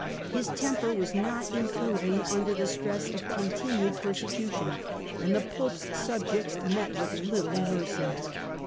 His temper was not improving under the stress of continued persecution and the Pope's subjects met with little mercy.